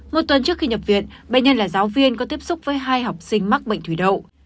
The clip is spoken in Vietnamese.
một tuần trước khi nhập viện bệnh nhân là giáo viên có tiếp xúc với hai học sinh mắc bệnh thủy đậu